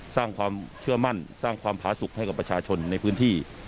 สร้างความเชื่อมั่นสร้างความผาสุขให้กับประชาชนในพื้นที่